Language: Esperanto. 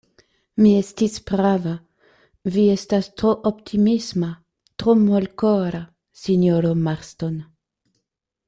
Mi estis prava; vi estas tro optimisma, tro molkora, sinjoro Marston.